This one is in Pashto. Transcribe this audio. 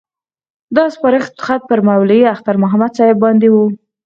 دا سپارښت خط پر مولوي اختر محمد صاحب باندې وو.